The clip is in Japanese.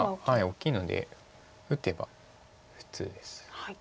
大きいので打てば普通です。